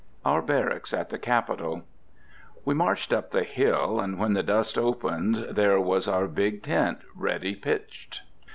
OUR BARRACKS AT THE CAPITOL. We marched up the hill, and when the dust opened there was our Big Tent ready pitched.